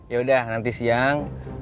yaudah nanti siang